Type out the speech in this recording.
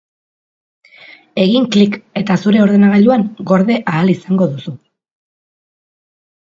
Egin klik, eta zure ordenagailuan gorde ahal izango duzu!